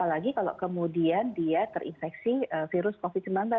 apalagi kalau kemudian dia terinfeksi virus covid sembilan belas